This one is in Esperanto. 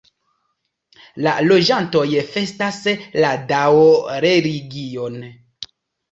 La loĝantoj festas la Dao-religion.